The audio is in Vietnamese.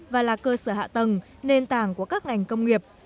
và là cơ sở hạ tầng nền tảng của các ngành công nghiệp